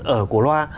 ở cổ loa